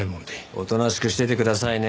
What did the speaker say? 大人しくしててくださいね。